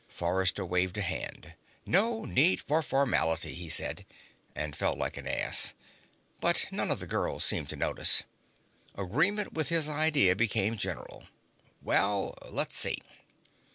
Forrester waved a hand. "No need for formality," he said, and felt like an ass. But none of the girls seemed to notice. Agreement with his idea became general. "Well, let's see."